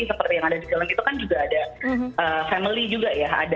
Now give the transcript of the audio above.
seperti yang ada di dalam itu kan juga ada family juga ya